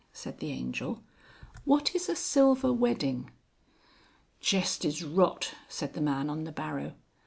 said the Angel. "What is a silver wedding?" "Jest is rot," said the man on the barrow.